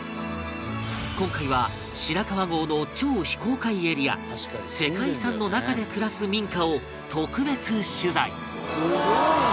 今回は白川郷の超非公開エリア世界遺産の中で暮らす民家を特別取材